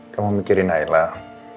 kamu mikirin nailah